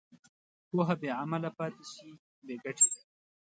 پوهه بېعمله پاتې شي، بېګټې ده.